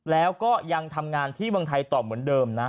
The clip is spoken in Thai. แล้วก็ยังทำงานที่เมืองไทยต่อเหมือนเดิมนะ